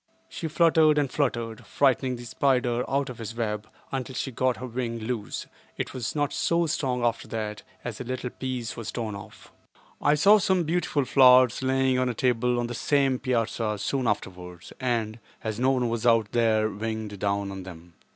She fluttered and fluttered, frightening the spider out of his web, until she got her wing loose; but it was not so strong after that, as a little piece was torn off. I saw some beautiful flowers lying on a table on the same piazza soon afterwards and, as no one was out there, winged down on them.